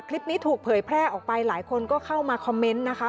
คลิปนี้ถูกเผยแพร่ออกไปหลายคนก็เข้ามาคอมเมนต์นะคะ